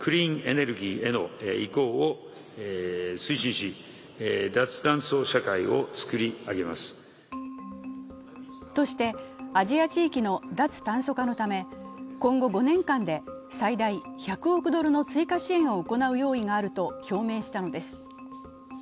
日本の岸田総理はとして、アジア地域の脱炭素化のため、今後５年間で最大１００億ドルの追加支援を行う用意があると表明したのです。